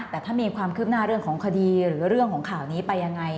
แต่ถ้ามีความคืบหน้าเรื่องของคดีหรือเรื่องของข่าวนี้ไปยังไง